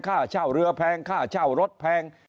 ค่าเช่าเรือแพงค่าเช่ารถแพง